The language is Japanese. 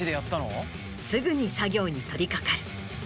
すぐに作業に取りかかる。